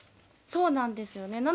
そうなんですよね、